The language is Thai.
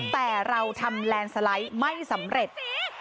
แต่เราทำแลนด์สไลด์ไม่สำเร็จ